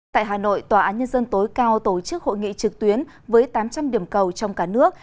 tại hà nội tòa án nhân dân tối cao tổ chức hội nghị trực tuyến với tám trăm linh điểm cầu trong cả nước